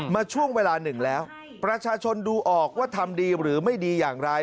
มาช่วงเวลาหนึ่งแล้วประชาชนดูออกว่าทำดีหรือไม่ดีอย่างไร